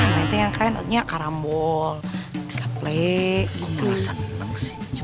main teh yang keren kayak karambol tiga plek kok merasa seneng sih